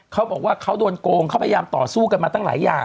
เขาบอกว่าเขาโดนโกงเขาพยายามต่อสู้กันมาตั้งหลายอย่าง